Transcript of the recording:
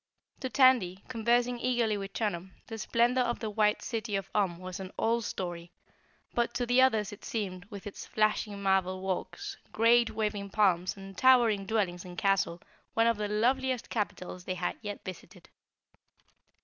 To Tandy, conversing eagerly with Chunum, the splendor of the White City of Om was an old story, but to the others it seemed, with its flashing marble walks, great waving palms and towering dwellings and castle, one of the loveliest capitals they had yet visited.